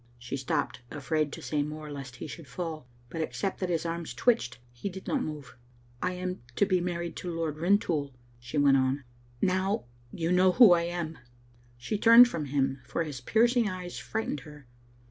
She stopped, afraid to say more lest he should fall, but except that his arms twitched he did not move. " I am to be married to Lord Rintoul," she went on. " Now you know who I am." She turned from him, for his piercing eyes frightened her.